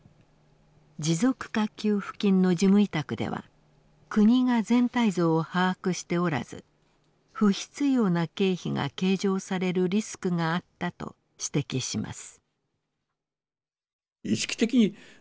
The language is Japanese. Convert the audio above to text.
持続化給付金の事務委託では国が全体像を把握しておらず不必要な経費が計上されるリスクがあったと指摘します。